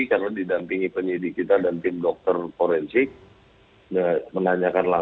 karena didampingi penyidik kita dan tim dokter forensik